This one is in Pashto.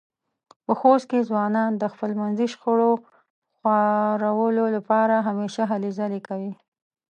په خوست کې ځوانان د خپلمنځې شخړو خوارولو لپاره همېشه هلې ځلې کوي.